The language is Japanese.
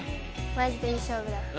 マジでいい勝負だった。